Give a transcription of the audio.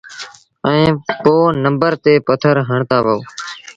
ائيٚݩ پو نمبر تي پٿر هڻتآ وهو۔